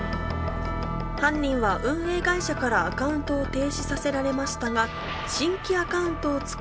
犯人は運営会社からアカウントを停止させられましたが。